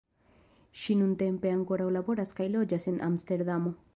Ŝi nuntempe ankoraŭ laboras kaj loĝas en Amsterdamo.